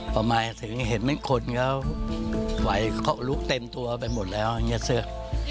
ประมาณถึงเห็นมันคนแล้วไฟเขาลุกเต็มตัวไปหมดแล้วอย่างเงียดเสื้อ